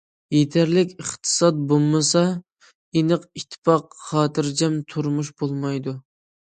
يېتەرلىك ئىقتىساد بولمىسا، ئىناق، ئىتتىپاق، خاتىرجەم تۇرمۇش بولمايدۇ.